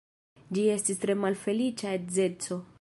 Ĝi estis tre malfeliĉa edzeco.